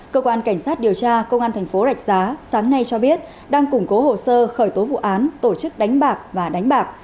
cơ quan cảnh sát điều tra công an thành phố rạch giá sáng nay cho biết đang củng cố hồ sơ khởi tố vụ án tổ chức đánh bạc và đánh bạc